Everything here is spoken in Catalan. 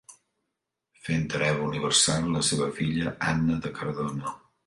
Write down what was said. Fent hereva universal, la seva filla Anna de Cardona.